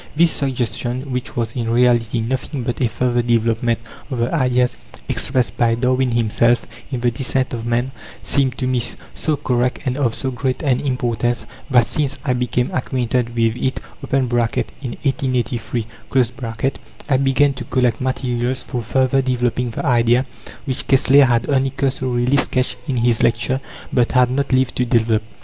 This suggestion which was, in reality, nothing but a further development of the ideas expressed by Darwin himself in The Descent of Man seemed to me so correct and of so great an importance, that since I became acquainted with it (in 1883) I began to collect materials for further developing the idea, which Kessler had only cursorily sketched in his lecture, but had not lived to develop.